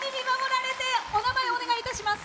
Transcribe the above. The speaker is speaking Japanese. お名前をお願いします。